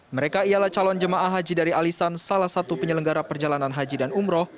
mereka ialah calon jemaah haji dari alisan salah satu penyelenggara perjalanan haji dan umroh